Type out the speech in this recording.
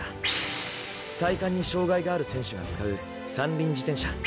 体幹に障害がある選手が使う三輪自転車。